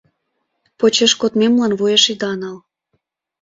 — Почеш кодмемлан вуеш ида нал.